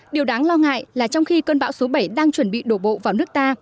điều đáng lo ngại là trong khi cơn bão số bảy đang chuẩn bị đổ bộ vào nước ta